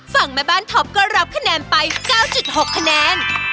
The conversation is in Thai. แม่บ้านท็อปก็รับคะแนนไป๙๖คะแนน